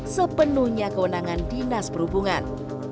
sepenuhnya kewenangan dinas perhubungan